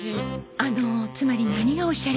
あのつまり何がおっしゃりたいのか。